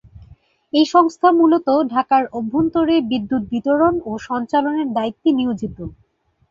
এই সংস্থা মূলত ঢাকার অভ্যন্তরে বিদ্যুৎ বিতরণ ও সঞ্চালনের দায়িত্বে নিয়োজিত।